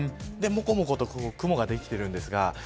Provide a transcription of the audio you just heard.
もこもこと雲ができているんですが。